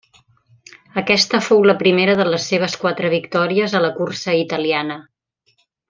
Aquesta fou la primera de les seves quatre victòries a la cursa italiana.